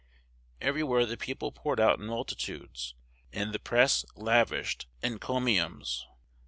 Everywhere the people poured out in multitudes, and the press lavished encomiums.